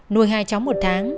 núi hai cháu một tháng